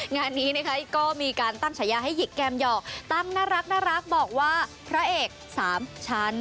งานนี้นะคะก็มีการตั้งฉายาให้หิกแกมหยอกตั้งน่ารักบอกว่าพระเอกสามชั้น